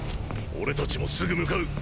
俺達もすぐ向かう！